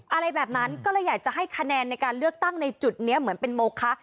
อะไรแบบนั้นก็เลยอยากจะให้คะแนนในการเลือกตั้งในจุดนี้เหมือนเป็นโมคะ